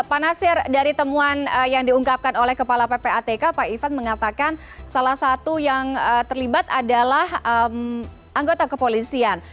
pak nasir dari temuan yang diungkapkan oleh kepala ppatk pak ivan mengatakan salah satu yang terlibat adalah anggota kepolisian